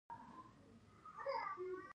هغه د خوب پر څنډه ساکت ولاړ او فکر وکړ.